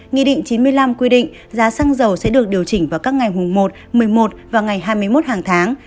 nghị định chín mươi năm quy định giá xăng dầu sẽ được điều chỉnh vào các ngày mùng một một mươi một và ngày hai mươi một hàng tháng